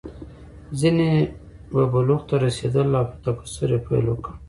ځینې به بلوغ ته رسېدل او په تکثر یې پیل وکړ.